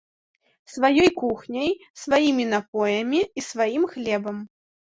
Сваёй кухняй, сваімі напоямі, і сваім хлебам.